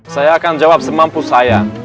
saya akan jawab semampu saya